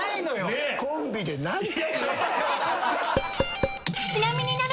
コンビで何？